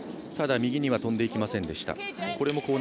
右には飛んでいきませんでした。